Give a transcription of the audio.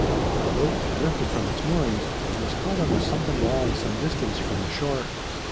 The boat had drifted from its moorings, and was caught on a sunken log some distance from the shore.